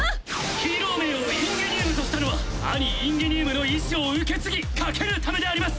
ヒーロー名をインゲニウムとしたのは兄・インゲニウムの意志を受け継ぎ駆けるためであります！